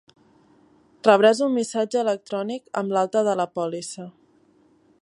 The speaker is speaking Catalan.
Rebràs un missatge electrònic amb l'alta de la pòlissa.